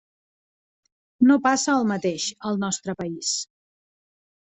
No passa el mateix al nostre país.